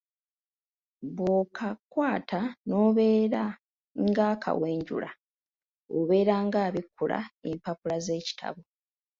Bw'okakwata n'obeera ng'akawenjula obeera ng'abikkula empapula z'ekitabo.